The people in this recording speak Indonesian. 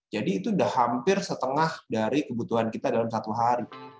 jadi itu sudah hampir setengah dari kebutuhan kita dalam satu hari